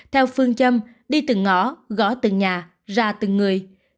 theo phương châm đi từng ngõ gõ từng nhà ra từng người